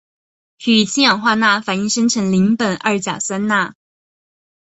与氢氧化钠反应生成邻苯二甲酸钾钠。